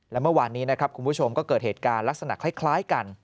และเมื่อวานนี้นะครับคุณผู้ชมก็เกิดเหตุการณ์ลักษณะคล้ายกัน